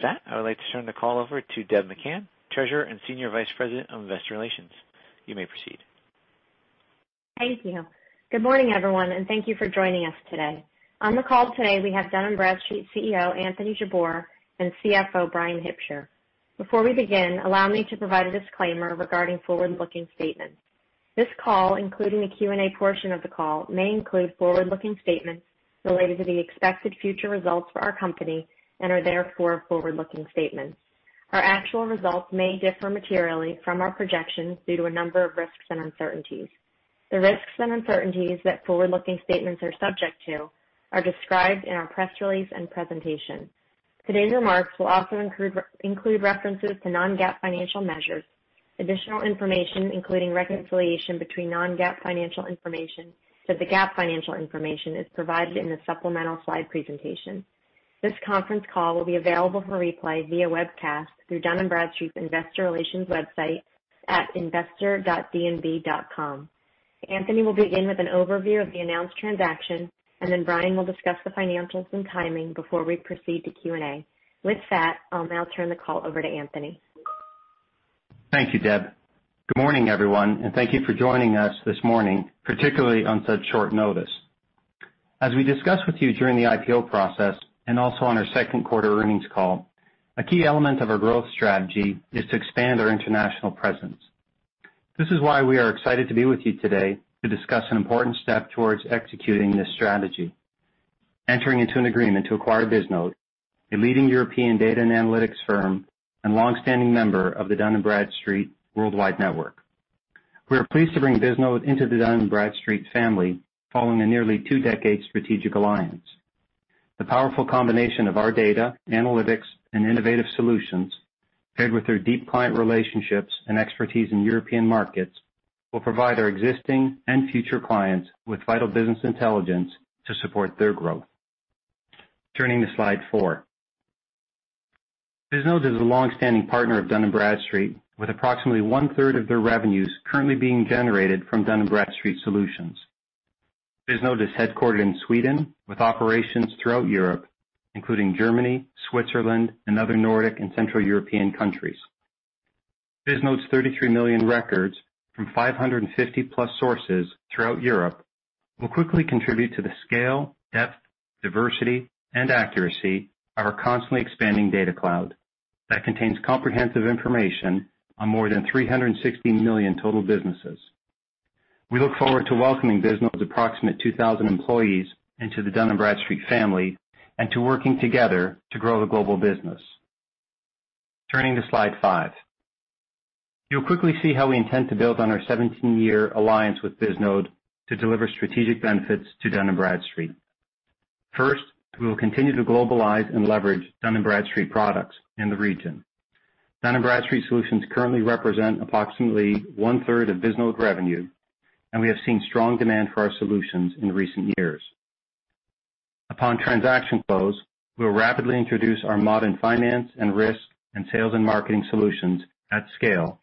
With that, I would like to turn the call over to Debra McCann, Treasurer and Senior Vice President of Investor Relations. You may proceed. Thank you. Good morning, everyone, and thank you for joining us today. On the call today, we have Dun & Bradstreet CEO, Anthony Jabbour, and CFO, Bryan Hipsher. Before we begin, allow me to provide a disclaimer regarding forward-looking statements. This call, including the Q&A portion of the call, may include forward-looking statements related to the expected future results for our company and are therefore forward-looking statements. Our actual results may differ materially from our projections due to a number of risks and uncertainties. The risks and uncertainties that forward-looking statements are subject to are described in our press release and presentation. Today's remarks will also include references to non-GAAP financial measures. Additional information, including reconciliation between non-GAAP financial information to the GAAP financial information, is provided in the supplemental slide presentation. This conference call will be available for replay via webcast through Dun & Bradstreet's Investor Relations website at investor.dnb.com. Anthony will begin with an overview of the announced transaction. Then Bryan will discuss the financials and timing before we proceed to Q&A. With that, I'll now turn the call over to Anthony. Thank you, Deb. Good morning, everyone, thank you for joining us this morning, particularly on such short notice. As we discussed with you during the IPO process, also on our second quarter earnings call, a key element of our growth strategy is to expand our international presence. This is why we are excited to be with you today to discuss an important step towards executing this strategy, entering into an agreement to acquire Bisnode, a leading European data and analytics firm and longstanding member of the Dun & Bradstreet Worldwide Network. We are pleased to bring Bisnode into the Dun & Bradstreet family following a nearly two-decade strategic alliance. The powerful combination of our data, analytics, and innovative solutions, paired with their deep client relationships and expertise in European markets, will provide our existing and future clients with vital business intelligence to support their growth. Turning to slide four. Bisnode is a longstanding partner of Dun & Bradstreet, with approximately one-third of their revenues currently being generated from Dun & Bradstreet solutions. Bisnode is headquartered in Sweden with operations throughout Europe, including Germany, Switzerland, and other Nordic and Central European countries. Bisnode's 33 million records from 550+ sources throughout Europe will quickly contribute to the scale, depth, diversity, and accuracy of our constantly expanding data cloud that contains comprehensive information on more than 360 million total businesses. We look forward to welcoming Bisnode's approximate 2,000 employees into the Dun & Bradstreet family and to working together to grow the global business. Turning to slide five. You'll quickly see how we intend to build on our 17-year alliance with Bisnode to deliver strategic benefits to Dun & Bradstreet. First, we will continue to globalize and leverage Dun & Bradstreet products in the region. Dun & Bradstreet solutions currently represent approximately 1/3 of Bisnode revenue, and we have seen strong demand for our solutions in recent years. Upon transaction close, we'll rapidly introduce our modern finance and risk and sales and marketing solutions at scale,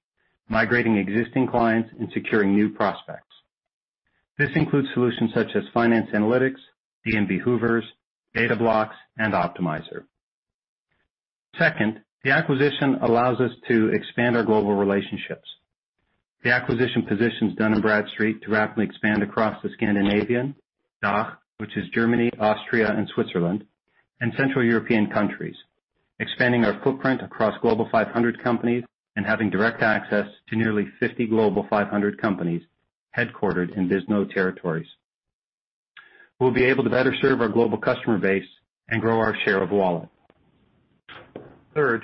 migrating existing clients and securing new prospects. This includes solutions such as D&B Finance Analytics, D&B Hoovers, Data Blocks, and Optimizer. Second, the acquisition allows us to expand our global relationships. The acquisition positions Dun & Bradstreet to rapidly expand across the Scandinavian, DACH, which is Germany, Austria, and Switzerland, and Central European countries, expanding our footprint across Global 500 companies and having direct access to nearly 50 Global 500 companies headquartered in Bisnode territories. We'll be able to better serve our global customer base and grow our share of wallet. Dun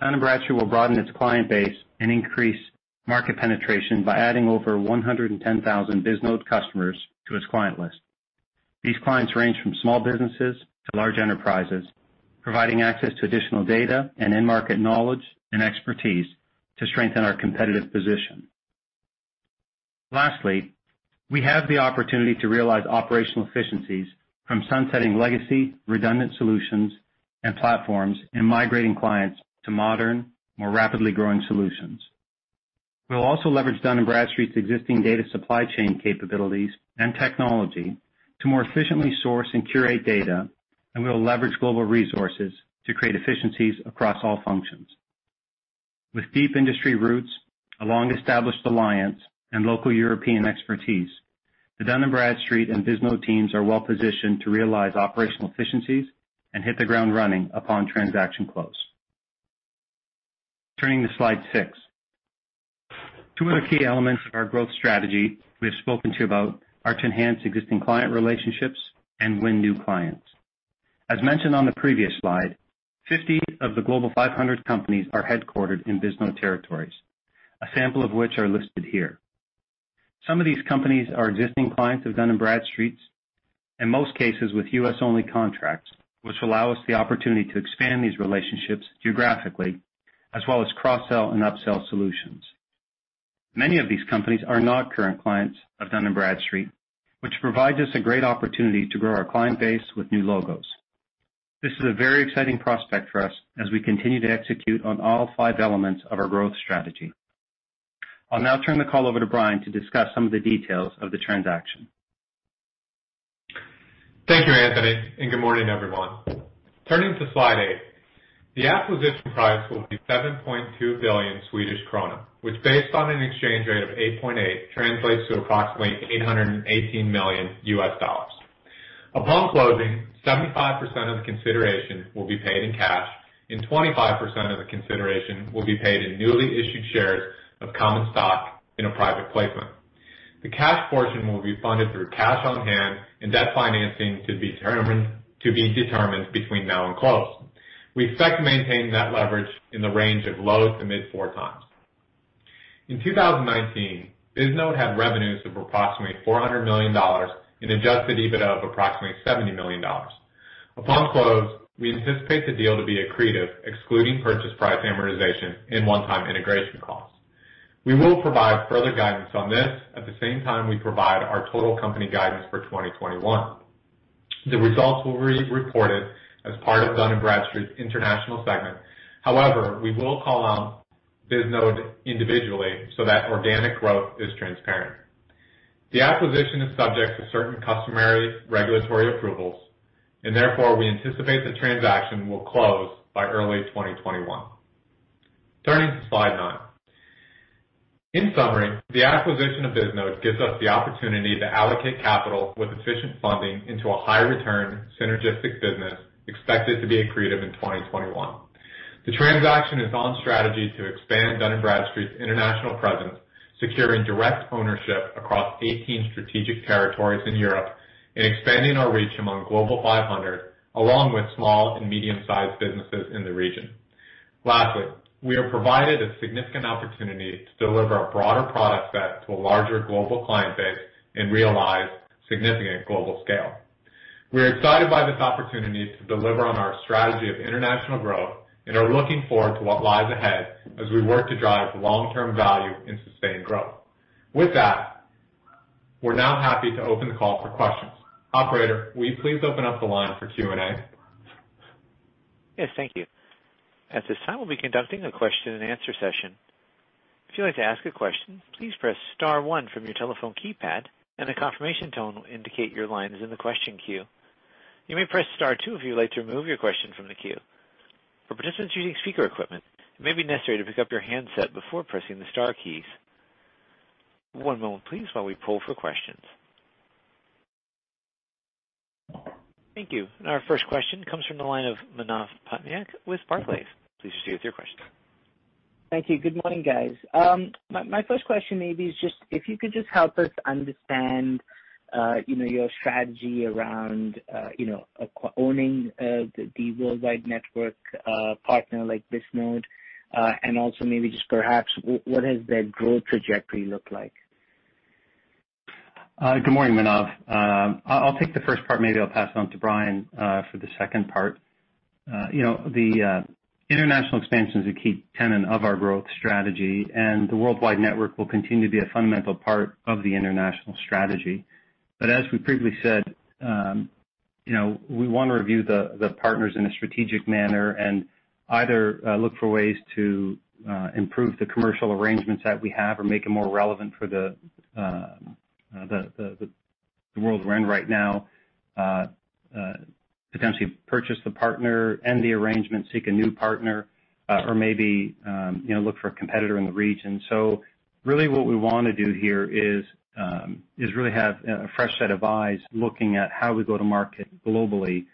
& Bradstreet will broaden its client base and increase market penetration by adding over 110,000 Bisnode customers to its client list. These clients range from small businesses to large enterprises, providing access to additional data and end-market knowledge and expertise to strengthen our competitive position. We have the opportunity to realize operational efficiencies from sunsetting legacy, redundant solutions and platforms, and migrating clients to modern, more rapidly growing solutions. We'll also leverage Dun & Bradstreet's existing data supply chain capabilities and technology to more efficiently source and curate data, and we'll leverage global resources to create efficiencies across all functions. With deep industry roots, a long-established alliance, and local European expertise, the Dun & Bradstreet and Bisnode teams are well positioned to realize operational efficiencies and hit the ground running upon transaction close. Turning to slide six. Two other key elements of our growth strategy we have spoken to you about are to enhance existing client relationships and win new clients. As mentioned on the previous slide, 50 of the Global 500 companies are headquartered in Bisnode territories, a sample of which are listed here. Some of these companies are existing clients of Dun & Bradstreet's, in most cases with U.S.-only contracts, which allow us the opportunity to expand these relationships geographically as well as cross-sell and up-sell solutions. Many of these companies are not current clients of Dun & Bradstreet, which provides us a great opportunity to grow our client base with new logos. This is a very exciting prospect for us as we continue to execute on all five elements of our growth strategy. I'll now turn the call over to Bryan to discuss some of the details of the transaction Thank you, Anthony, and good morning, everyone. Turning to slide eight, the acquisition price will be 7.2 billion Swedish krona, which based on an exchange rate of 8.8 translates to approximately $818 million. Upon closing, 75% of the consideration will be paid in cash and 25% of the consideration will be paid in newly issued shares of common stock in a private placement. The cash portion will be funded through cash on hand and debt financing to be determined between now and close. We expect to maintain that leverage in the range of low to mid four times. In 2019, Bisnode had revenues of approximately $400 million and adjusted EBITDA of approximately $70 million. Upon close, we anticipate the deal to be accretive, excluding purchase price amortization and one-time integration costs. We will provide further guidance on this at the same time we provide our total company guidance for 2021. The results will be reported as part of Dun & Bradstreet's international segment. We will call out Bisnode individually so that organic growth is transparent. The acquisition is subject to certain customary regulatory approvals, and therefore, we anticipate the transaction will close by early 2021. Turning to slide nine. In summary, the acquisition of Bisnode gives us the opportunity to allocate capital with efficient funding into a high-return, synergistic business expected to be accretive in 2021. The transaction is on strategy to expand Dun & Bradstreet's international presence, securing direct ownership across 18 strategic territories in Europe and expanding our reach among Global 500, along with small and medium-sized businesses in the region. Lastly, we are provided a significant opportunity to deliver a broader product set to a larger global client base and realize significant global scale. We're excited by this opportunity to deliver on our strategy of international growth and are looking forward to what lies ahead as we work to drive long-term value and sustained growth. With that, we're now happy to open the call for questions. Operator, will you please open up the line for Q&A. Yes. Thank you. Thank you. Our first question comes from the line of Manav Patnaik with Barclays. Please proceed with your question. Thank you. Good morning, guys. My first question maybe is if you could just help us understand your strategy around owning the Worldwide Network partner like Bisnode. Also maybe just perhaps what does that growth trajectory look like? Good morning, Manav. I'll take the first part, maybe I'll pass it on to Bryan for the second part. The international expansion is a key tenet of our growth strategy. The Worldwide Network will continue to be a fundamental part of the international strategy. As we previously said, we want to review the partners in a strategic manner and either look for ways to improve the commercial arrangements that we have or make it more relevant for the world we're in right now. Potentially purchase the partner, end the arrangement, seek a new partner or maybe look for a competitor in the region. Really what we want to do here is really have a fresh set of eyes looking at how we go to market globally.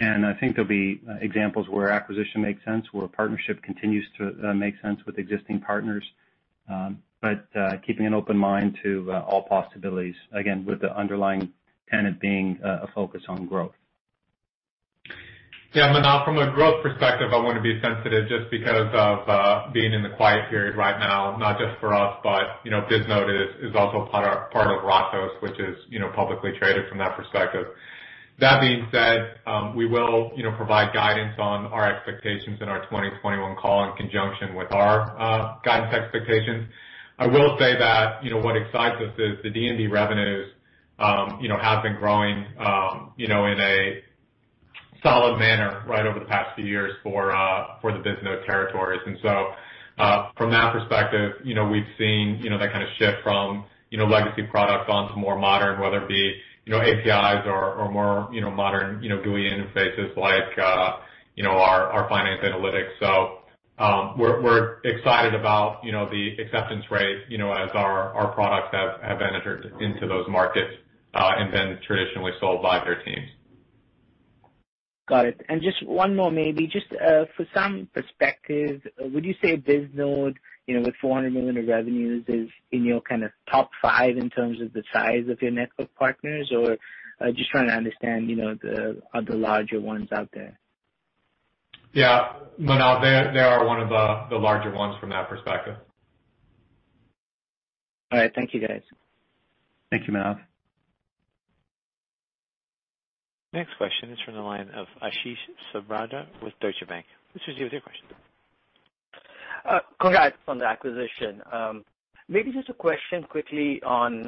I think there'll be examples where acquisition makes sense, where a partnership continues to make sense with existing partners. Keeping an open mind to all possibilities, again, with the underlying tenet being a focus on growth. Yeah. Manav, from a growth perspective, I want to be sensitive just because of being in the quiet period right now, not just for us, but Bisnode is also part of Ratos, which is publicly traded from that perspective. That being said, we will provide guidance on our expectations in our 2021 call in conjunction with our guidance expectations. I will say that what excites us is the D&B revenues have been growing in a solid manner right over the past few years for the Bisnode territories. From that perspective we've seen that kind of shift from legacy products on to more modern, whether it be APIs or more modern GUI interfaces like our D&B Finance Analytics. We're excited about the acceptance rate as our products have entered into those markets and been traditionally sold by their teams. Got it. Just one more, maybe just for some perspective, would you say Bisnode with $400 million of revenues is in your top five in terms of the size of your network partners? Just trying to understand the other larger ones out there. Manav, they are one of the larger ones from that perspective. All right. Thank you, guys. Thank you, Manav. Next question is from the line of Ashish Sabadra with Deutsche Bank. Please proceed with your question. Congrats on the acquisition. Maybe just a question quickly on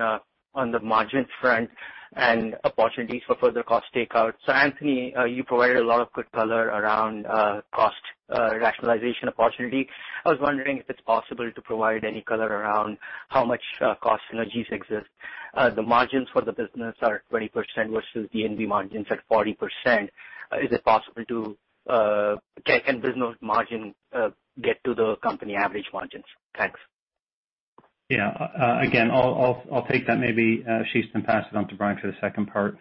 the margin front and opportunities for further cost takeout. Anthony, you provided a lot of good color around cost rationalization opportunity. I was wondering if it's possible to provide any color around how much cost synergies exist. The margins for the business are 20% versus D&B margins at 40%. Can Bisnode margin get to the company average margins? Thanks. Yeah. Again, I'll take that maybe, Ashish, then pass it on to Bryan for the second part.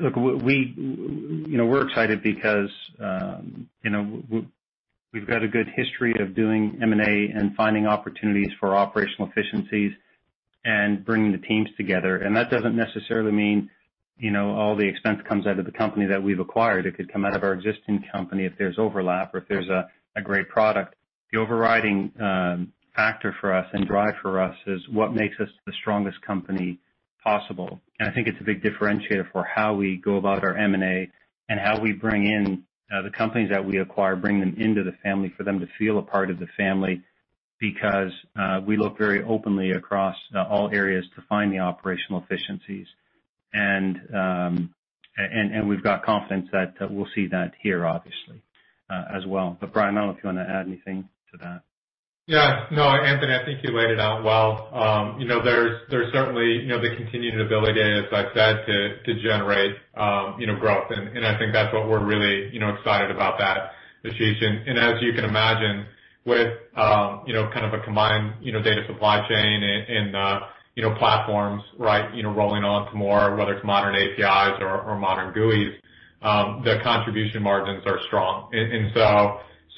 Look, we're excited because we've got a good history of doing M&A and finding opportunities for operational efficiencies and bringing the teams together. That doesn't necessarily mean all the expense comes out of the company that we've acquired. It could come out of our existing company if there's overlap or if there's a great product. The overriding factor for us and drive for us is what makes us the strongest company possible. I think it's a big differentiator for how we go about our M&A and how we bring in the companies that we acquire, bring them into the family for them to feel a part of the family, because we look very openly across all areas to find the operational efficiencies. We've got confidence that we'll see that here, obviously, as well. Bryan, I don't know if you want to add anything to that. Yeah. No, Anthony, I think you laid it out well. There's certainly the continued ability, as I've said, to generate growth. I think that's what we're really excited about that, Ashish. As you can imagine, with kind of a combined data supply chain and platforms rolling on to more, whether it's modern APIs or modern GUIs, the contribution margins are strong.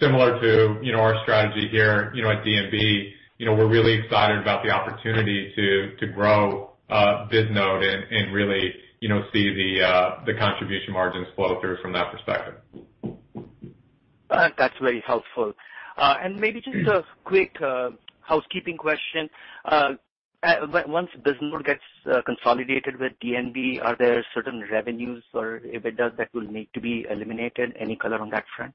Similar to our strategy here at D&B, we're really excited about the opportunity to grow Bisnode and really see the contribution margins flow through from that perspective. That's very helpful. Maybe just a quick housekeeping question. Once Bisnode gets consolidated with D&B, are there certain revenues, or if it does, that will need to be eliminated? Any color on that front?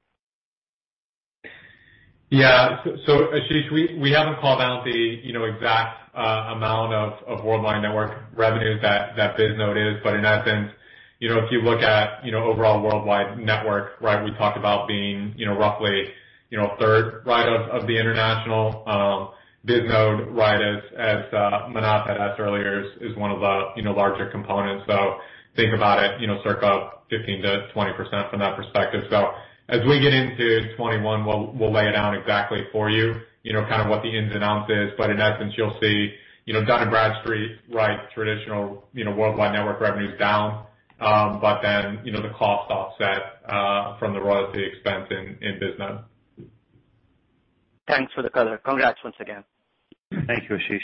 Ashish, we haven't called out the exact amount of Worldwide Network revenues that Bisnode is. In essence, if you look at overall Worldwide Network, we talk about being roughly a third of the international Bisnode, as Manav had asked earlier, is one of the larger components. Think about it, circa 15% to 20% from that perspective. As we get into 2021, we'll lay it out exactly for you, kind of what the ins and outs is. In essence, you'll see Dun & Bradstreet traditional Worldwide Network revenues down, but then the cost offset from the royalty expense in Bisnode. Thanks for the color. Congrats once again. Thank you, Ashish.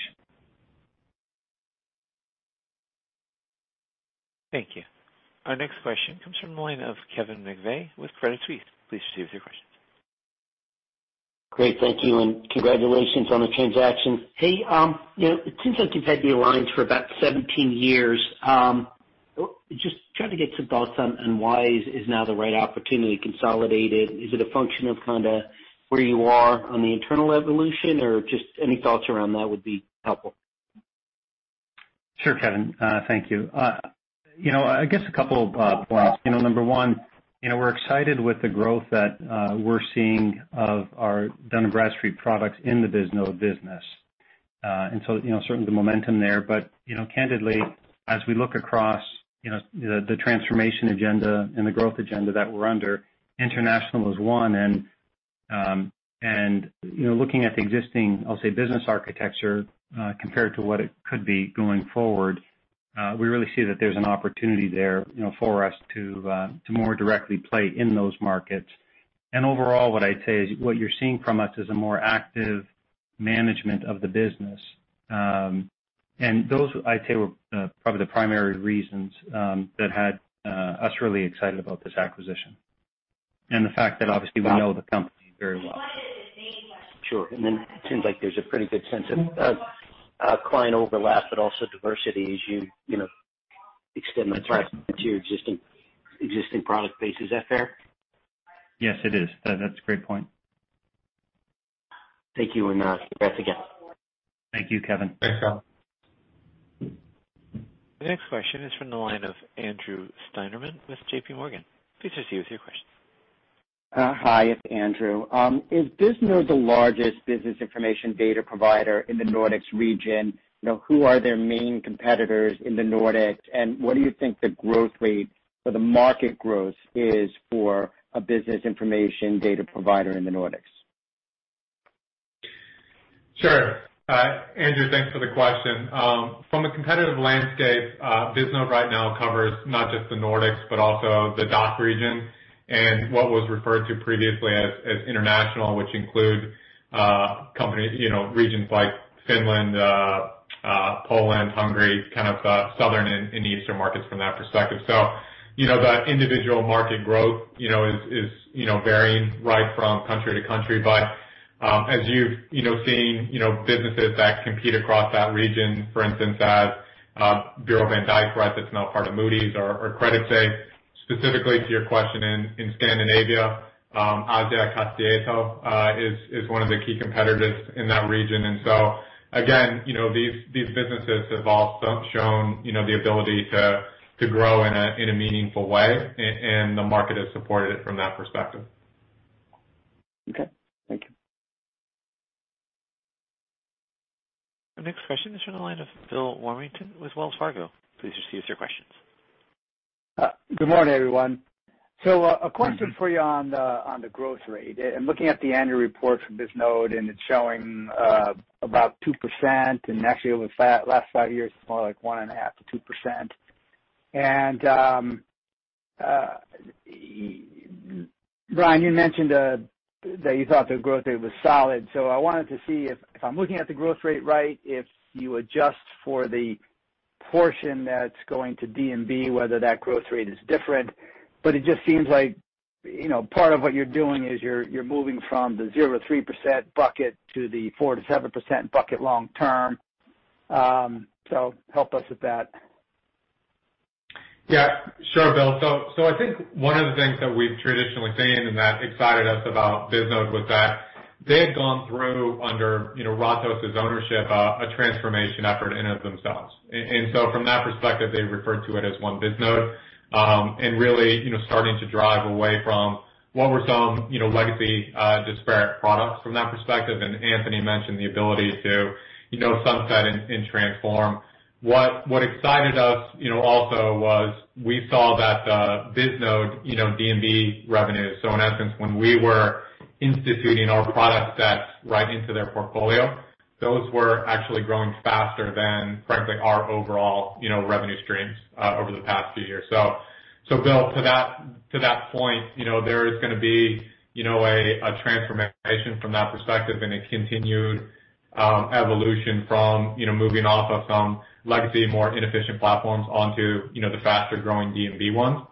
Thank you. Our next question comes from the line of Kevin McVeigh with Credit Suisse. Please proceed with your question. Great. Thank you, and congratulations on the transaction. Hey, it seems like you've had me on lines for about 17 years. Just trying to get some thoughts on why is now the right opportunity to consolidate it? Is it a function of where you are on the internal evolution, or just any thoughts around that would be helpful. Sure, Kevin. Thank you. I guess a couple of points. Number one, we're excited with the growth that we're seeing of our Dun & Bradstreet products in the Bisnode business. Certainly the momentum there. Candidly, as we look across the transformation agenda and the growth agenda that we're under, international is one. Looking at the existing, I'll say business architecture compared to what it could be going forward, we really see that there's an opportunity there for us to more directly play in those markets. Overall, what I'd say is what you're seeing from us is a more active management of the business. Those, I'd say, were probably the primary reasons that had us really excited about this acquisition, and the fact that obviously we know the company very well. Sure. It seems like there's a pretty good sense of client overlap but also diversity as you extend. That's right. to your existing product base. Is that fair? Yes, it is. That's a great point. Thank you, and congrats again. Thank you, Kevin. Thanks, Kevin. The next question is from the line of Andrew Steinerman with JPMorgan. Please proceed with your question. Hi, it's Andrew. Is Bisnode the largest business information data provider in the Nordics region? Who are their main competitors in the Nordics, and what do you think the growth rate for the market growth is for a business information data provider in the Nordics? Sure. Andrew, thanks for the question. From a competitive landscape, Bisnode right now covers not just the Nordics, but also the DACH region and what was referred to previously as international, which include regions like Finland, Poland, Hungary, kind of the southern and eastern markets from that perspective. The individual market growth is varying from country to country. As you've seen businesses that compete across that region, for instance, as Bureau van Dijk, that's now part of Moody's or Creditsafe, specifically to your question in Scandinavia, Asiakastieto is one of the key competitors in that region. Again, these businesses have all shown the ability to grow in a meaningful way, and the market has supported it from that perspective. Okay. Thank you. Our next question is from the line of Bill Warmington with Wells Fargo. Please proceed with your questions. Good morning, everyone. A question for you on the growth rate. I'm looking at the annual report from Bisnode, and it's showing about 2%, and actually over the last five years, it's more like 1.5%-2%. Bryan, you mentioned that you thought the growth rate was solid. I wanted to see if I'm looking at the growth rate right, if you adjust for the portion that's going to D&B, whether that growth rate is different. It just seems like part of what you're doing is you're moving from the 0%-3% bucket to the 4%-7% bucket long-term. Help us with that. Yeah. Sure, Bill. I think one of the things that we've traditionally seen and that excited us about Bisnode was that they had gone through under Ratos' ownership, a transformation effort in and of themselves. From that perspective, they referred to it as One Bisnode, and really starting to drive away from what were some legacy disparate products from that perspective, and Anthony mentioned the ability to sunset and transform. What excited us also was we saw that Bisnode D&B revenues. In essence, when we were instituting our product sets right into their portfolio, those were actually growing faster than, frankly, our overall revenue streams over the past few years. Bill, to that point, there is going to be a transformation from that perspective and a continued evolution from moving off of some legacy, more inefficient platforms onto the faster-growing D&B ones.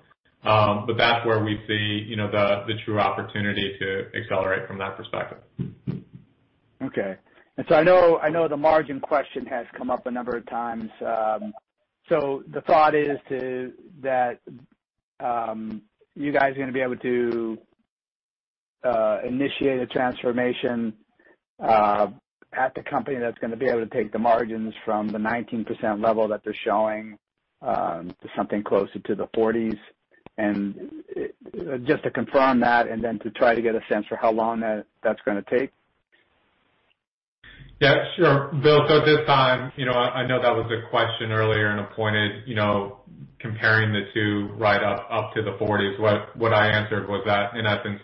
That's where we see the true opportunity to accelerate from that perspective. Okay. I know the margin question has come up a number of times. The thought is that you guys are going to be able to initiate a transformation at the company that's going to be able to take the margins from the 19% level that they're showing to something closer to the 40s%. Just to confirm that and then to try to get a sense for how long that's going to take. Yeah, sure. Bill, at this time, I know that was a question earlier in a point of comparing the two right up to the 40s%. What I answered was that, in essence,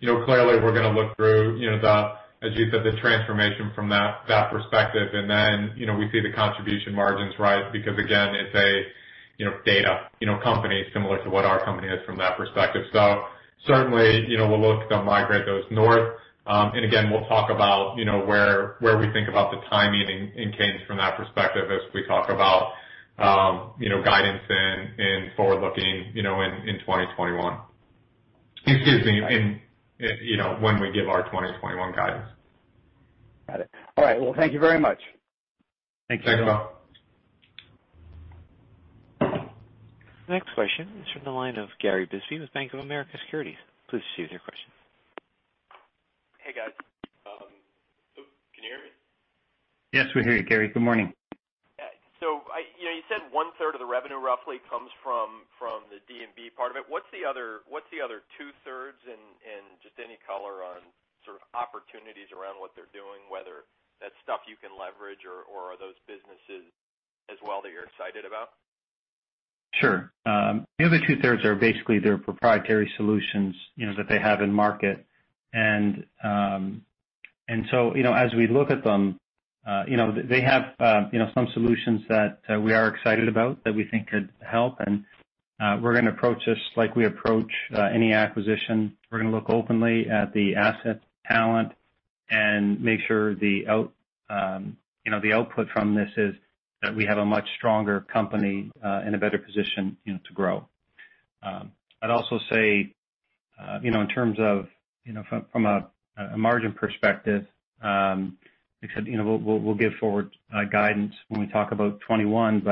clearly we're going to look through, as you said, the transformation from that perspective, and then we see the contribution margins rise, because again, it's a data company similar to what our company is from that perspective. Certainly, we'll look to migrate those north. Again, we'll talk about where we think about the timing and cadence from that perspective as we talk about guidance and forward-looking in 2021. Excuse me, when we give our 2021 guidance. Got it. All right. Well, thank you very much. Thanks, Bill. The next question is from the line of Gary Bisbee with Bank of America Securities. Please proceed with your question. Hey, guys. Can you hear me? Yes, we hear you, Gary. Good morning. You said 1/3 of the revenue roughly comes from the D&B part of it. What's the other two-thirds, and just any color on sort of opportunities around what they're doing, whether that's stuff you can leverage or are those businesses as well that you're excited about? Sure. The other two-thirds are basically their proprietary solutions that they have in market. As we look at them, they have some solutions that we are excited about that we think could help, and we're going to approach this like we approach any acquisition. We're going to look openly at the asset talent and make sure the output from this is that we have a much stronger company in a better position to grow. I'd also say in terms of from a margin perspective, except we'll give forward guidance when we talk about 2021.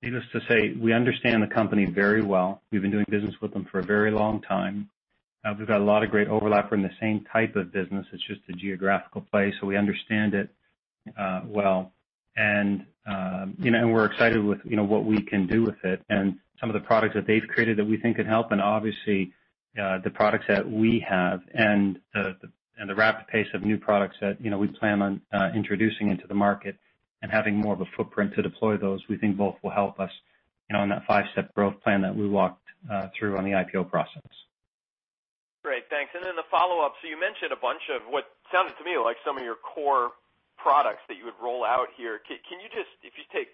Needless to say, we understand the company very well. We've been doing business with them for a very long time. We've got a lot of great overlap. We're in the same type of business. It's just a geographical play, so we understand it well. We're excited with what we can do with it and some of the products that they've created that we think could help, and obviously, the products that we have and the rapid pace of new products that we plan on introducing into the market and having more of a footprint to deploy those, we think both will help us in that five-step growth plan that we walked through on the IPO process. Great. Thanks. The follow-up, so you mentioned a bunch of what sounded to me like some of your core products that you would roll out here. If you take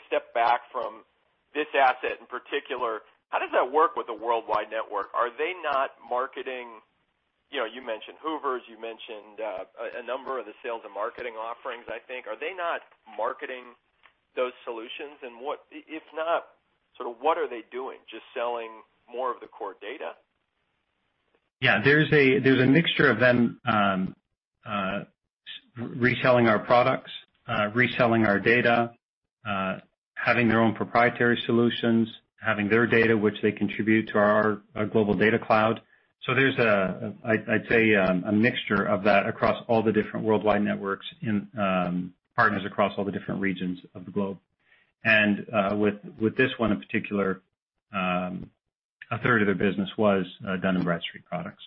a step back from this asset in particular, how does that work with a worldwide network? Are they not marketing-- You mentioned Hoovers, you mentioned a number of the sales and marketing offerings, I think. Are they not marketing those solutions? If not, sort of what are they doing? Just selling more of the core data? Yeah. There's a mixture of them reselling our products, reselling our data, having their own proprietary solutions, having their data, which they contribute to our global data cloud. There's, I'd say, a mixture of that across all the different worldwide networks and partners across all the different regions of the globe. With this one in particular, a third of their business was done in Dun & Bradstreet products.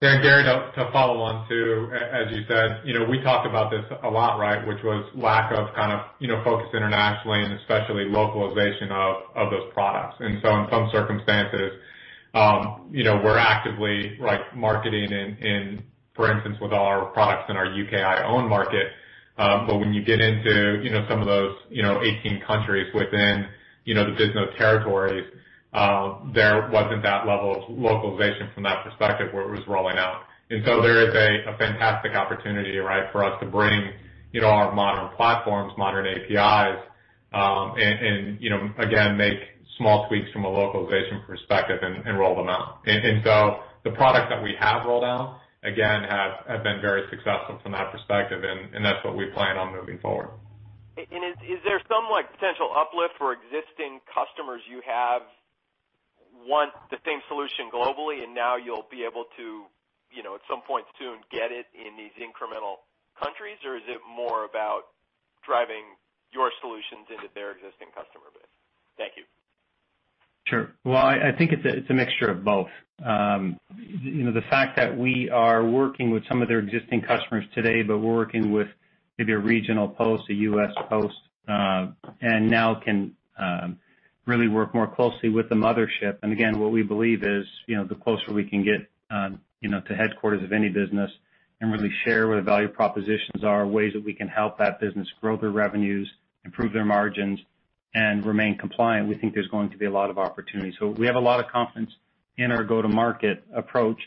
Yeah, Gary, to follow on too, as you said, we talked about this a lot, right? Lack of focus internationally and especially localization of those products. In some circumstances, we're actively marketing, for instance, with all our products in our U.K.I. own market. When you get into some of those 18 countries within the business territories, there wasn't that level of localization from that perspective where it was rolling out. There is a fantastic opportunity, right, for us to bring our modern platforms, modern APIs, and again, make small tweaks from a localization perspective and roll them out. The products that we have rolled out, again, have been very successful from that perspective, and that's what we plan on moving forward. Is there some potential uplift for existing customers you have, want the same solution globally and now you'll be able to, at some point soon, get it in these incremental countries? Or is it more about driving your solutions into their existing customer base? Thank you. Sure. Well, I think it's a mixture of both. The fact that we are working with some of their existing customers today, but we're working with maybe a regional post, a U.S. post, and now can really work more closely with the mothership. Again, what we believe is, the closer we can get to headquarters of any business and really share what the value propositions are, ways that we can help that business grow their revenues, improve their margins, and remain compliant, we think there's going to be a lot of opportunity. We have a lot of confidence in our go-to-market approach,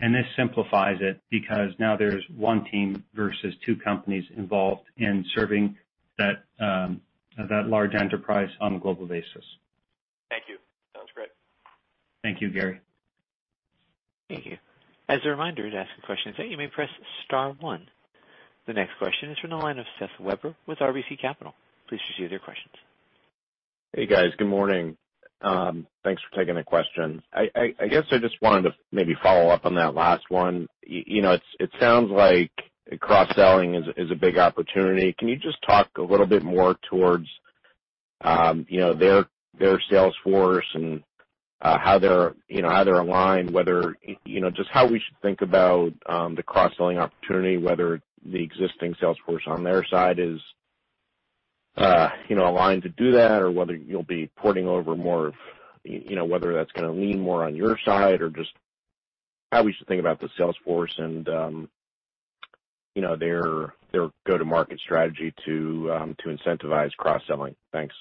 and this simplifies it because now there's one team versus two companies involved in serving that large enterprise on a global basis. Thank you. Sounds great. Thank you, Gary. Thank you. As a reminder, to ask a question, you may press star one. The next question is from the line of Seth Weber with RBC Capital Markets. Please proceed with your questions. Hey, guys. Good morning. Thanks for taking the question. I guess I just wanted to maybe follow up on that last one. It sounds like cross-selling is a big opportunity. Can you just talk a little bit more towards their sales force and how they're aligned, just how we should think about the cross-selling opportunity, whether the existing sales force on their side is aligned to do that, or whether that's going to lean more on your side, or just how we should think about the sales force and their go-to-market strategy to incentivize cross-selling? Thanks.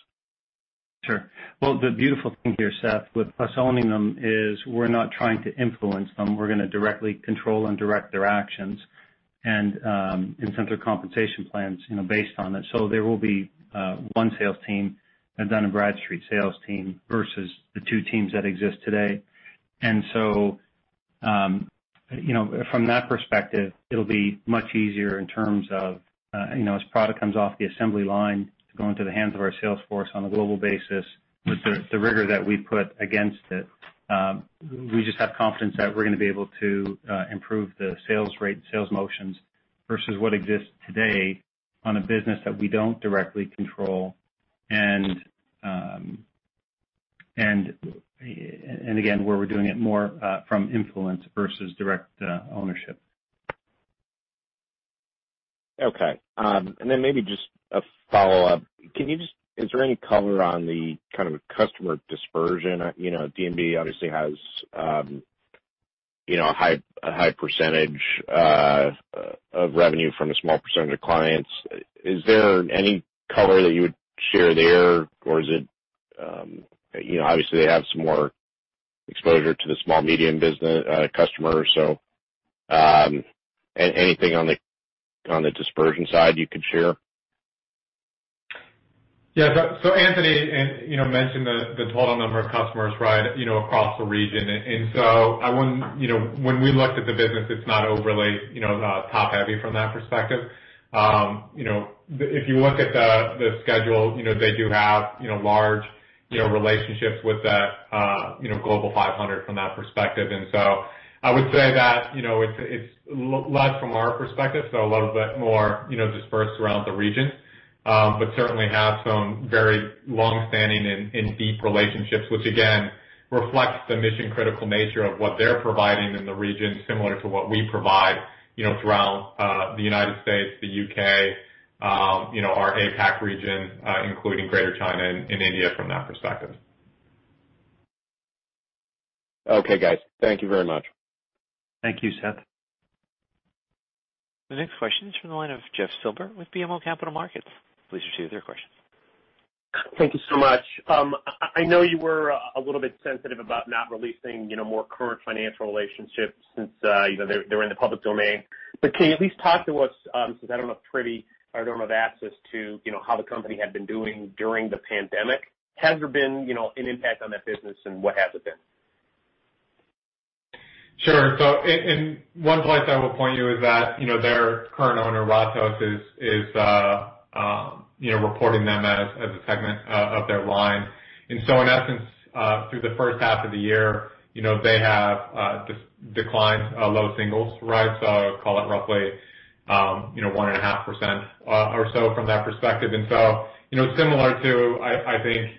Sure. The beautiful thing here, Seth, with us owning them is we're not trying to influence them. We're going to directly control and direct their actions and incentive compensation plans based on it. There will be one sales team, a Dun & Bradstreet sales team versus the two teams that exist today. From that perspective, it'll be much easier in terms of, as product comes off the assembly line to go into the hands of our sales force on a global basis with the rigor that we put against it. We just have confidence that we're going to be able to improve the sales rate, sales motions versus what exists today on a business that we don't directly control, and again, where we're doing it more from influence versus direct ownership. Okay. Then maybe just a follow-up. Is there any color on the kind of customer dispersion? D&B obviously has a high percentage of revenue from a small percentage of clients. Is there any color that you would share there, or is it, obviously, they have some more exposure to the small medium business customer, anything on the dispersion side you could share? Anthony mentioned the total number of customers, right, across the region. When we looked at the business, it's not overly top-heavy from that perspective. If you look at the schedule, they do have large relationships with the Global 500 from that perspective. I would say that it's less from our perspective, so a little bit more dispersed around the region. Certainly have some very long-standing and deep relationships, which again, reflects the mission-critical nature of what they're providing in the region, similar to what we provide throughout the United States, the U.K., our APAC region, including Greater China and India from that perspective. Okay, guys. Thank you very much. Thank you, Seth. The next question is from the line of Jeffrey Silber with BMO Capital Markets. Please proceed with your questions. Thank you so much. I know you were a little bit sensitive about not releasing more current financial relationships since they're in the public domain. Can you at least talk to what's, since I don't have privy or I don't have access to how the company had been doing during the pandemic, has there been an impact on that business, and what has it been? Sure. One place I will point you is that their current owner, Ratos, is reporting them as a segment of their line. In essence, through the first half of the year, they have declined low singles. Call it roughly, 1.5% or so from that perspective. Similar to, I think,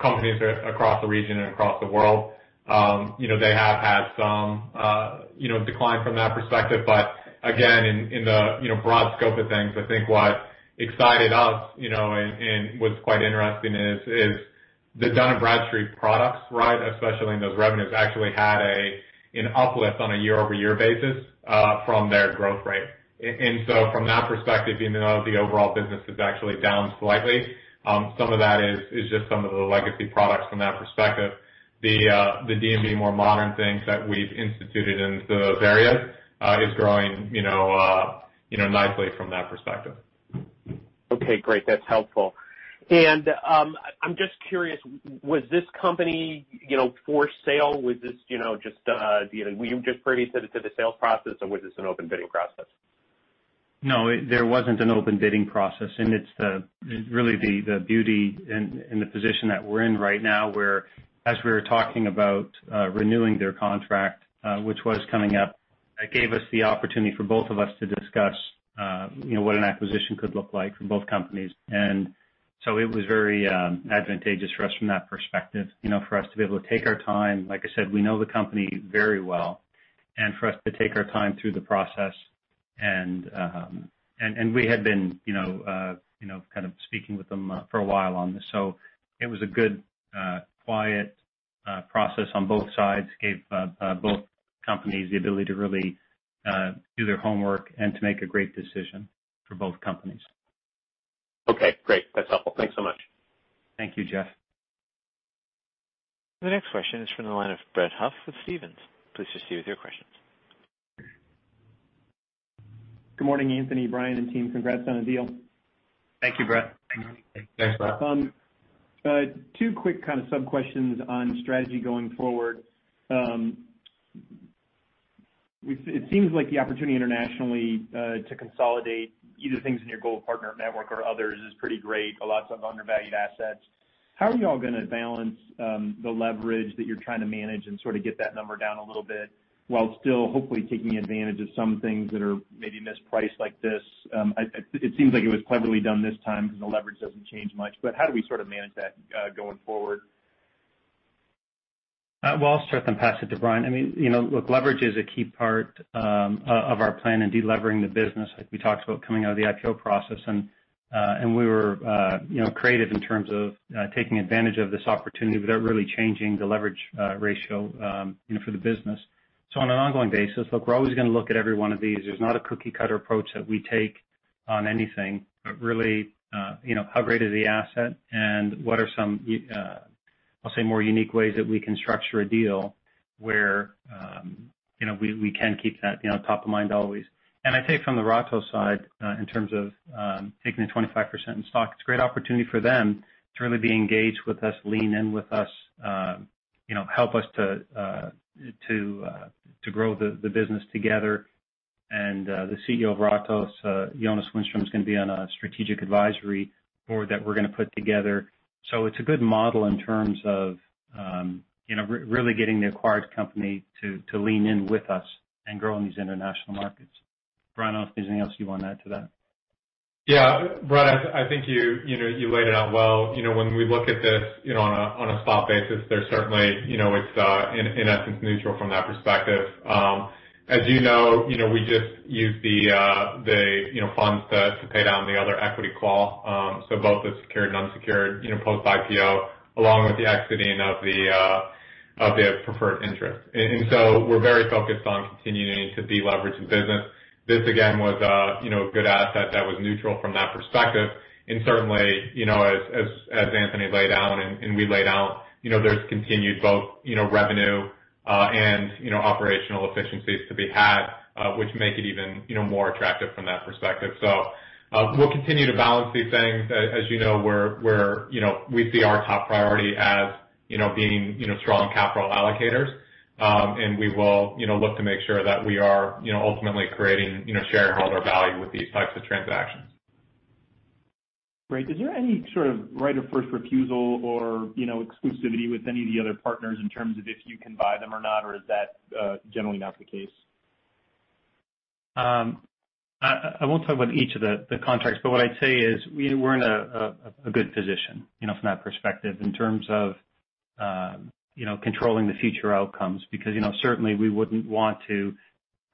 companies across the region and across the world, they have had some decline from that perspective. Again, in the broad scope of things, I think what excited us, and what's quite interesting is the Dun & Bradstreet products, especially in those revenues, actually had an uplift on a year-over-year basis, from their growth rate. From that perspective, even though the overall business is actually down slightly, some of that is just some of the legacy products from that perspective. The D&B more modern things that we've instituted into those areas, is growing nicely from that perspective. Okay, great. That's helpful. I'm just curious, was this company for sale? Were you just previously to the sales process or was this an open bidding process? No, there wasn't an open bidding process, and it's really the beauty and the position that we're in right now, where as we were talking about renewing their contract, which was coming up, that gave us the opportunity for both of us to discuss what an acquisition could look like for both companies. It was very advantageous for us from that perspective, for us to be able to take our time. Like I said, we know the company very well, and for us to take our time through the process and we had been kind of speaking with them for a while on this. It was a good, quiet process on both sides, gave both companies the ability to really do their homework and to make a great decision for both companies. Okay, great. That's helpful. Thanks so much. Thank you, Jeff. The next question is from the line of Brett Huff with Stephens. Please proceed with your questions. Good morning, Anthony, Bryan, and team. Congrats on the deal. Thank you, Brett. Thanks, Brett. Two quick kind of sub-questions on strategy going forward. It seems like the opportunity internationally, to consolidate either things in your gold partner network or others is pretty great. Lots of undervalued assets. How are y'all going to balance the leverage that you're trying to manage and sort of get that number down a little bit while still hopefully taking advantage of some things that are maybe mispriced like this? It seems like it was cleverly done this time because the leverage doesn't change much, but how do we sort of manage that going forward? Well, I'll start then pass it to Bryan. Look, leverage is a key part of our plan in de-leveraging the business like we talked about coming out of the IPO process and we were creative in terms of taking advantage of this opportunity without really changing the leverage ratio for the business. On an ongoing basis, look, we're always going to look at every one of these. There's not a cookie cutter approach that we take on anything, but really, how great is the asset and what are some, I'll say, more unique ways that we can structure a deal where we can keep that top of mind always. I think from the Ratos side, in terms of taking the 25% in stock, it's a great opportunity for them to really be engaged with us, lean in with us, help us to grow the business together. The CEO of Ratos, Jonas Wiström is going to be on a strategic advisory board that we're going to put together. It's a good model in terms of really getting the acquired company to lean in with us and grow in these international markets. Bryan, is there anything else you want to add to that? Yeah. Brett, I think you laid it out well. When we look at this on a stock basis, there's certainly, it's in essence neutral from that perspective. As you know, we just used the funds to pay down the other equity call, so both the secured and unsecured post IPO along with the exiting of the preferred interest. We're very focused on continuing to deleverage the business. This again, was a good asset that was neutral from that perspective. Certainly, as Anthony laid out and we laid out, there's continued both revenue and operational efficiencies to be had, which make it even more attractive from that perspective. We'll continue to balance these things. As you know, we see our top priority as being strong capital allocators. We will look to make sure that we are ultimately creating shareholder value with these types of transactions. Great. Is there any sort of right of first refusal or exclusivity with any of the other partners in terms of if you can buy them or not? Is that generally not the case? I won't talk about each of the contracts, but what I'd say is we're in a good position from that perspective in terms of controlling the future outcomes because certainly we wouldn't want to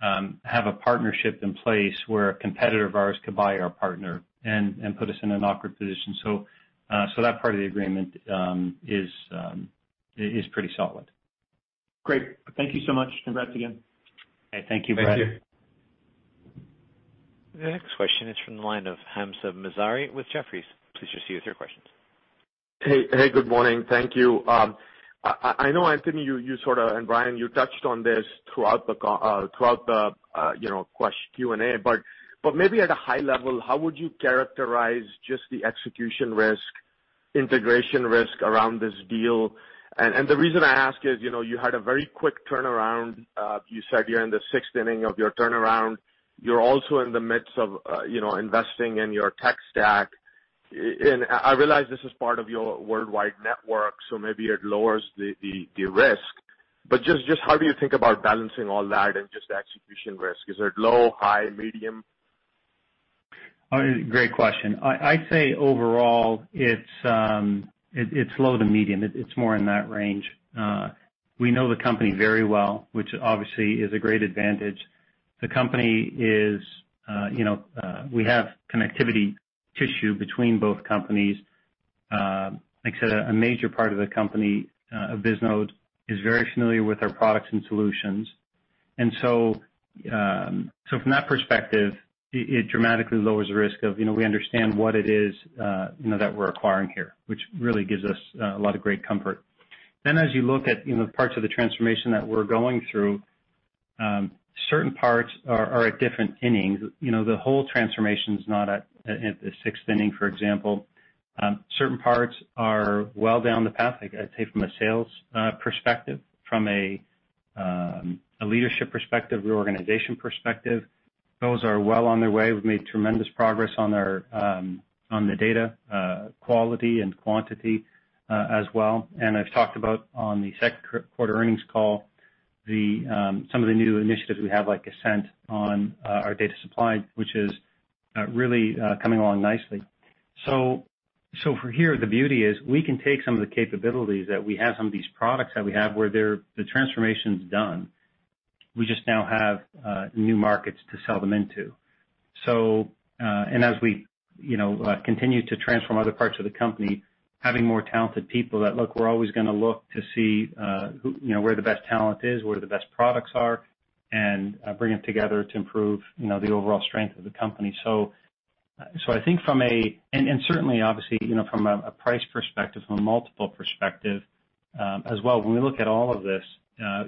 have a partnership in place where a competitor of ours could buy our partner and put us in an awkward position. That part of the agreement is pretty solid. Great. Thank you so much. Congrats again. Thank you, Brett. Thank you. The next question is from the line of Hamzah Mazari with Jefferies. Please proceed with your questions. Hey, good morning. Thank you. I know, Anthony, and Bryan, you touched on this throughout the Q&A, but maybe at a high level, how would you characterize just the execution risk, integration risk around this deal? The reason I ask is, you had a very quick turnaround. You said you're in the sixth inning of your turnaround. You're also in the midst of investing in your tech stack. I realize this is part of your worldwide network, so maybe it lowers the risk. Just how do you think about balancing all that and just the execution risk? Is it low, high, medium? Great question. I'd say overall, it's low to medium. It's more in that range. We know the company very well, which obviously is a great advantage. We have connectivity tissue between both companies. Like I said, a major part of the company, of Bisnode, is very familiar with our products and solutions. From that perspective, it dramatically lowers the risk. We understand what it is that we're acquiring here, which really gives us a lot of great comfort. As you look at parts of the transformation that we're going through, certain parts are at different innings. The whole transformation is not at the sixth inning, for example. Certain parts are well down the path, I'd say from a sales perspective, from a leadership perspective, reorganization perspective, those are well on their way. We've made tremendous progress on the data quality and quantity as well. I've talked about, on the second quarter earnings call, some of the new initiatives we have, like Ascent, on our data supply, which is really coming along nicely. For here, the beauty is we can take some of the capabilities that we have, some of these products that we have, where the transformation's done. We just now have new markets to sell them into. As we continue to transform other parts of the company, having more talented people that, look, we're always going to look to see where the best talent is, where the best products are, and bring it together to improve the overall strength of the company. I think certainly, obviously, from a price perspective, from a multiple perspective as well, when we look at all of this,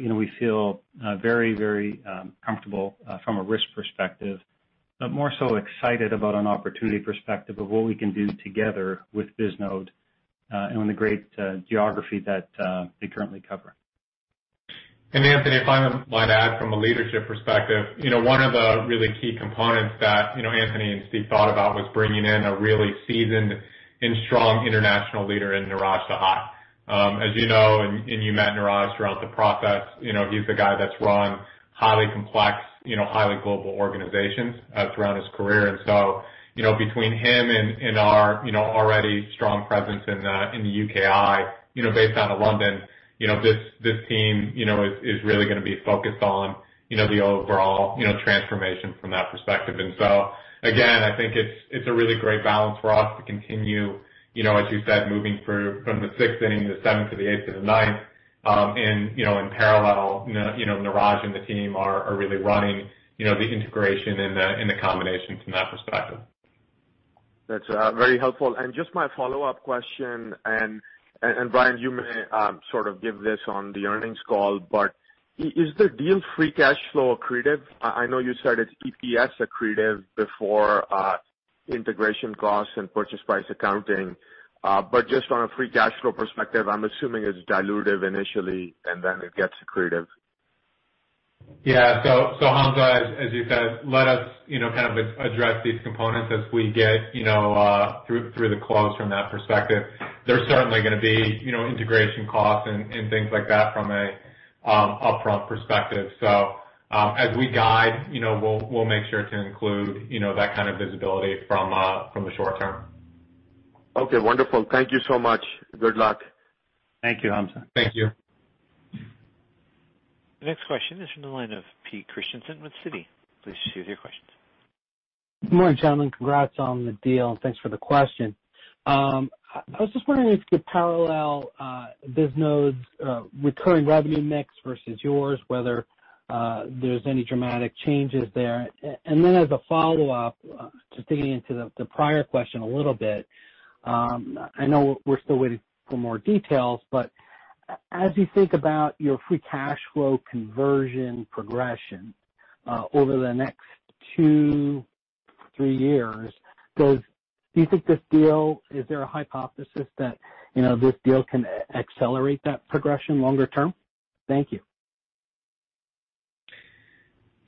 we feel very comfortable from a risk perspective. More so excited about an opportunity perspective of what we can do together with Bisnode, and the great geography that they currently cover. Anthony, if I might add from a leadership perspective, one of the really key components that Anthony and Steve thought about was bringing in a really seasoned and strong international leader in Neeraj Sahai. As you know, and you met Neeraj throughout the process, he's the guy that's run highly complex, highly global organizations throughout his career. Between him and our already strong presence in the UKI, based out of London, this team is really going to be focused on the overall transformation from that perspective. Again, I think it's a really great balance for us to continue, as you said, moving from the sixth inning to the seventh, to the eighth to the ninth. In parallel, Neeraj and the team are really running the integration and the combination from that perspective. That's very helpful. Just my follow-up question, and Bryan, you may sort of give this on the earnings call, but is the deal free cash flow accretive? I know you said it's EPS accretive before integration costs and purchase price accounting. Just on a free cash flow perspective, I'm assuming it's dilutive initially and then it gets accretive. Yeah. Hamzah, as you said, let us kind of address these components as we get through the close from that perspective. There's certainly going to be integration costs and things like that from an upfront perspective. As we guide, we'll make sure to include that kind of visibility from the short term. Okay, wonderful. Thank you so much. Good luck. Thank you, Hamzah. Thank you. The next question is from the line of Pete Christiansen with Citi. Please proceed with your questions. Good morning, gentlemen. Congrats on the deal, and thanks for the question. I was just wondering if you could parallel Bisnode's recurring revenue mix versus yours, whether there's any dramatic changes there. as a follow-up, just digging into the prior question a little bit, I know we're still waiting for more details, but as you think about your free cash flow conversion progression over the next two, three years, do you think this deal, is there a hypothesis that this deal can accelerate that progression longer term? Thank you.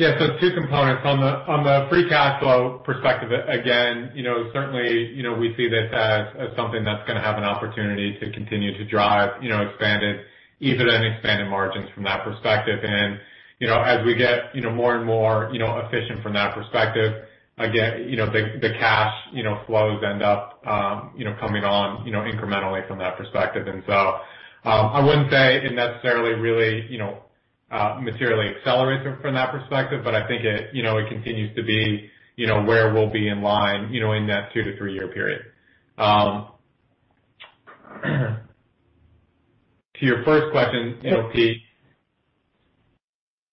Yeah. two components. On the free cash flow perspective, again, certainly, we see this as something that's going to have an opportunity to continue to drive expanded EBITDA and expanded margins from that perspective. as we get more and more efficient from that perspective, again, the cash flows end up coming on incrementally from that perspective. I wouldn't say it necessarily really materially accelerates it from that perspective, but I think it continues to be where we'll be in line in that two to three-year period. To your first question, Pete,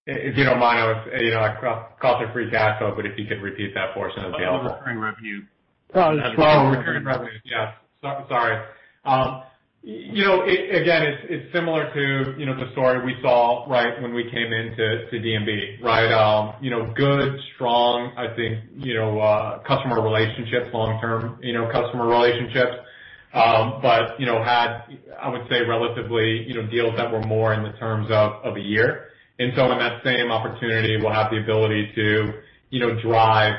if you don't mind, I know I got to free cash flow, but if you could repeat that portion as well. Recurring revenue. Oh, recurring revenue. Yes. Sorry. Again, it's similar to the story we saw right when we came into D&B, right? Good, strong, I think customer relationships, long-term customer relationships. had, I would say relatively, deals that were more in the terms of a year. in that same opportunity, we'll have the ability to drive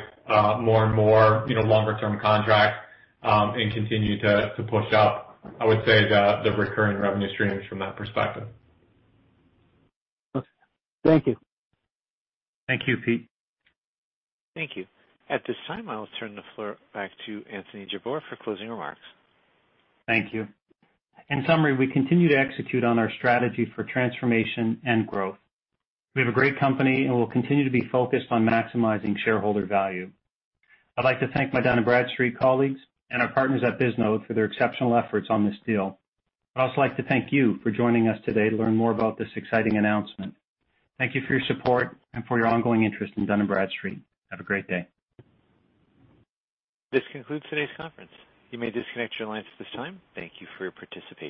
more and more longer term contracts, and continue to push up, I would say, the recurring revenue streams from that perspective. Okay. Thank you. Thank you, Pete. Thank you. At this time, I'll turn the floor back to Anthony Jabbour for closing remarks. Thank you. In summary, we continue to execute on our strategy for transformation and growth. We have a great company, and we'll continue to be focused on maximizing shareholder value. I'd like to thank my Dun & Bradstreet colleagues and our partners at Bisnode for their exceptional efforts on this deal. I'd also like to thank you for joining us today to learn more about this exciting announcement. Thank you for your support and for your ongoing interest in Dun & Bradstreet. Have a great day. This concludes today's conference. You may disconnect your lines at this time. Thank you for your participation.